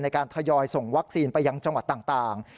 ทยอยส่งวัคซีนไปยังจังหวัดต่าง